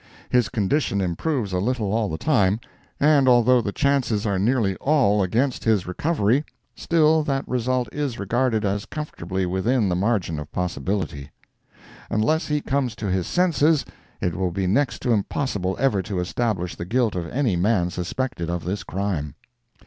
His condition improves a little all the time, and, although the chances are nearly all against his recovery, still that result is regarded as comfortably within the margin of possibility. Unless he comes to his senses, it will be next to impossible ever to establish the guilt of any man suspected of this crime.